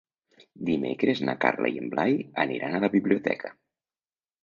Dimecres na Carla i en Blai aniran a la biblioteca.